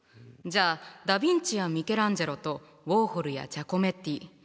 じゃあダ・ヴィンチやミケランジェロとウォーホルやジャコメッティ。